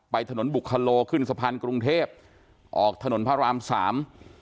ถนนบุคโลขึ้นสะพานกรุงเทพออกถนนพระรามสาม